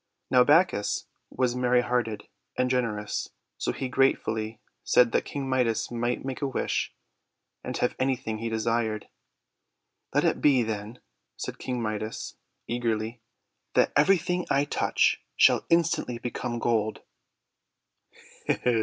Now Bacchus was merry hearted and gener ous, so he gratefully said that King Midas might make a wish, and have anything he desired. "Let it be, then," said King Midas eagerly, "that everything I touch shall instantly become gold."